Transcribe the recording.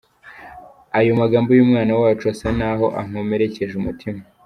Ayo magambo y’umwana wacu asa n’aho ankomerekeje umutima.